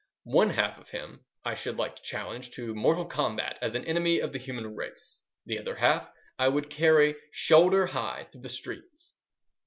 One half of him I should like to challenge to mortal combat as an enemy of the human race. The other half I would carry shoulder high through the streets.